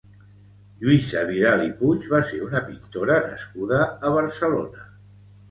Lluïsa Vidal i Puig va ser una pintora nascuda a Barcelona.